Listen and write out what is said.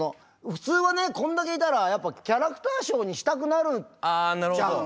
普通はねこんだけいたらやっぱキャラクターショーにしたくなるじゃん。